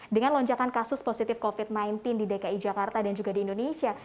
dengan lonjakan kasus positif covid sembilan belas di dki jakarta dan juga di indonesia